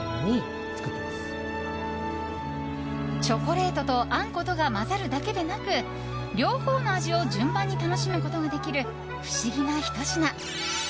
チョコレートとあんことが混ざるだけではなく両方の味を順番に楽しむことができる不思議なひと品。